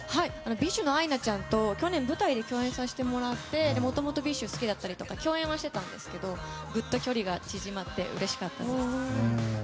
ＢｉＳＨのアイナちゃんと去年舞台で共演させてもらってもともとＢｉＳＨ好きだったり共演はしていたんですけどぐっと距離が縮まってうれしかったです。